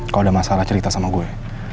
kalau ada masalah cerita sama gue